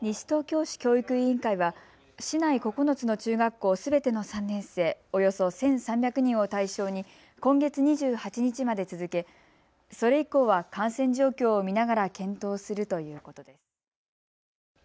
西東京市教育委員会は市内９つの中学校すべての３年生およそ１３００人を対象に今月２８日まで続けそれ以降は感染状況を見ながら検討するということです。